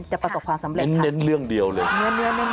ประสบความสำเร็จเน้นเรื่องเดียวเลย